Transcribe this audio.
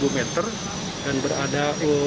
tiga meter dan berada